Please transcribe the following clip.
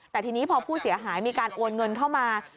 แต่ทีนี้พอผู้เสียหายมีการโอนเงินเข้ามา